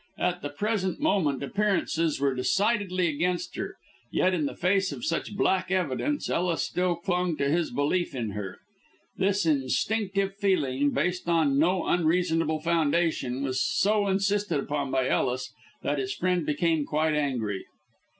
At the present moment appearances were decidedly against her, yet in the face of such black evidence Ellis still clung to his belief in her. This instinctive feeling, based on no reasonable foundation, was so insisted upon by Ellis that his friend became quite angry.